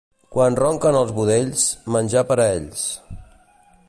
Quan ronquen els budells, menjar per a ells.